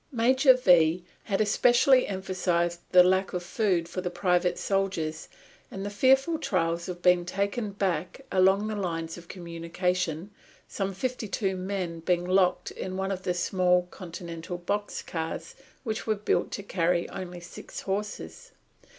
Major V had especially emphasised the lack of food for the private soldiers and the fearful trials of being taken back along the lines of communication, some fifty two men being locked in one of the small Continental box cars which are built to carry only six horses.